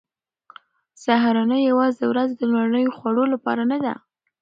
سهارنۍ یوازې د ورځې د لومړنیو خوړو لپاره نه ده.